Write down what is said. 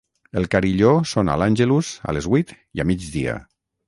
El carilló sona l'Àngelus a les huit i a migdia.